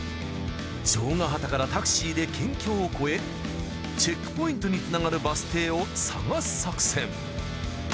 尉ヶ畑からタクシーで県境を越えチェックポイントにつながるバス停を探す作戦。